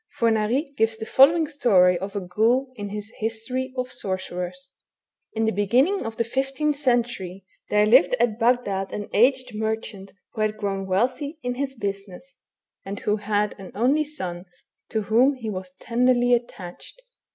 Fornari gives the following story of a ghoul in his History of Sorcerers :— In the beginning of the 15th century, there lived at Bagdad an aged merchant who had grown wealthy in his business, and who had an only son to whom he was tenderly attached.